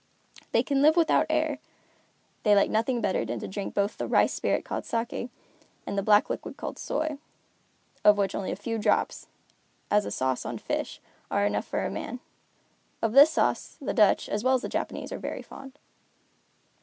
They can live without air. They like nothing better than to drink both the rice spirit called saké, and the black liquid called soy, of which only a few drops, as a sauce on fish, are enough for a man. Of this sauce, the Dutch, as well as the Japanese, are very fond.